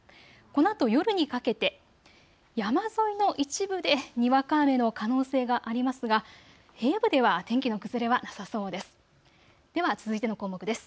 このあと夜にかけて山沿いの一部でにわか雨の可能性がありますが平野部では天気の崩れはなさそうです。